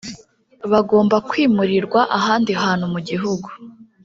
bagomba kwimurirwa ahandi hantu mu gihugu